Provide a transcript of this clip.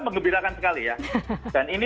mengembirakan sekali ya dan ini